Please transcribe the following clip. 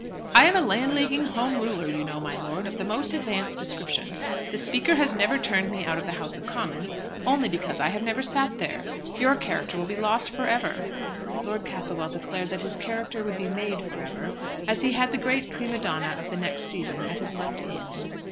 "I am a Landleaguing Home Ruler, you know, my lord, of the most advanced description. The Speaker has never turned me out of the House of Commons, only because I have never sat there. Your character will be lost for ever." Lord Castlewell declared that his character would be made for ever, as he had the great prima donna of the next season at his left hand.